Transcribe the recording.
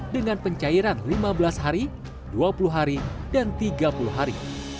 dengan pencairan lima belas hari dua puluh hari dan tiga puluh hari